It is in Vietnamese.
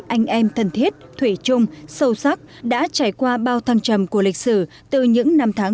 anh em thân thiết thủy chung sâu sắc đã trải qua bao thăng trầm của lịch sử từ những năm tháng